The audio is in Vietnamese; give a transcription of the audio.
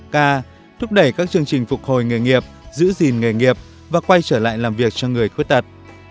k thúc đẩy các chương trình phục hồi nghề nghiệp giữ gìn nghề nghiệp và quay trở lại làm việc cho người khuyết tật